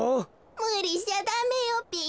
むりしちゃダメよべ。